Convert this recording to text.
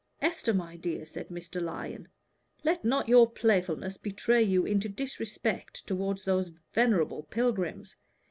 "Esther, my dear," said Mr. Lyon, "let not your playfulness betray you into disrespect toward those venerable pilgrims.